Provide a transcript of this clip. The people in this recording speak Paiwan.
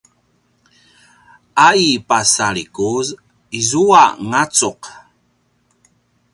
a i pasalikuz izua ngacuq